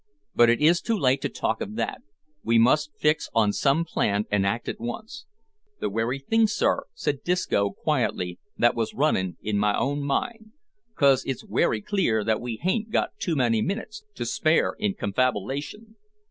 But it is too late to talk of that; we must fix on some plan, and act at once." "The werry thing, sir," said Disco quietly, "that wos runnin' in my own mind, 'cos it's werry clear that we hain't got too many minits to spare in confabilation."